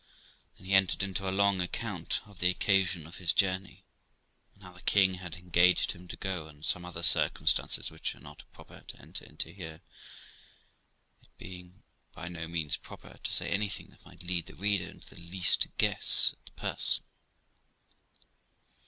Then he entered into a long account of the occasion of his journey, and how the king had engaged him to go, and some other circumstances which are not proper to enter into here; it being by no means proper to say anything that might lead the reader into the least guess at the person.